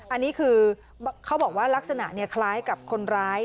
อันนี้คือเขาบอกว่าลักษณะคล้ายกับคนร้าย